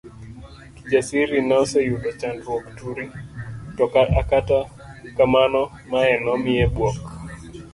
Kijasiri noseyudo chandruok turi, to akata kamano mae nomiye buok.